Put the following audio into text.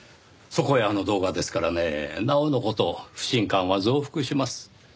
そこへあの動画ですからねなおの事不信感は増幅します。